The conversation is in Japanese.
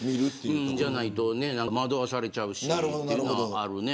じゃないと惑わされちゃうしっていうのはあるね。